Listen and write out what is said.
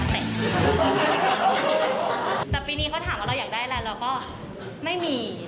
แต่ปีนี้เขาถามว่าเราอยากได้อะไรเราก็ไม่มี